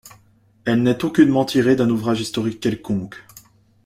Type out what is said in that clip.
Elle n’est aucunement tirée d’un ouvrage historique quelconque.